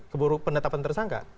keburu pendetapan tersangka